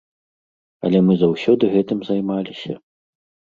Але мы заўсёды гэтым займаліся.